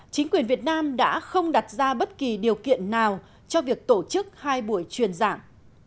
chính quyền việt nam đã không đặt ra bất kỳ điều kiện nào cho việc tổ chức hai buổi truyền giảng